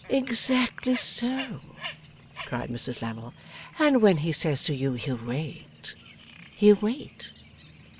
'Exactly so,' cried Mrs Lammle, 'and when he says to you he'll wait, he'll wait.